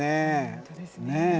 本当ですね。